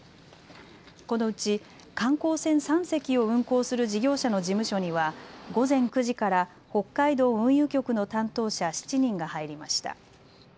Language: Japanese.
このうち観光船３隻を運航する事業者の事務所には午前９時から北海道運輸局の担当者７人が入りました。